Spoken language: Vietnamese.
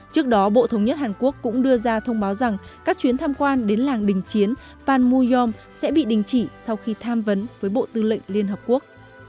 trước đó bộ thống nhất hàn quốc cũng đưa ra thông báo rằng các chuyến tham quan đến làng đình chiến panmu yong sẽ bị đình chỉ sau khi tham vấn với bộ tư lệnh liên hợp quốc